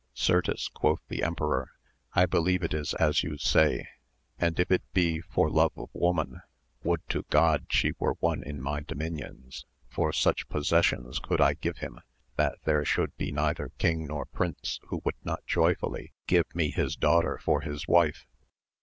Certes, quoth the emperor, I believe it is as you say ; and if it be for love of woman, would to God she were one in my dominions, for such possessions could I give him that there should be neither king nor prince who would not joyfully give me his daughter for his wife.